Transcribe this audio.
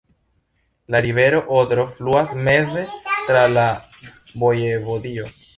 La rivero Odro fluas meze tra la vojevodio.